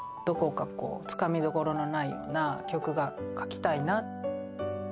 どこかつかみどころのないような曲が書きたいな。